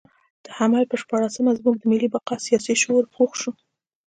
د حمل پر شپاړلسمه زموږ د ملي بقا سیاسي شعور پوخ شو.